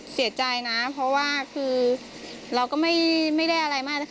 เสียใจนะเพราะว่าคือเราก็ไม่ได้อะไรมากนะคะ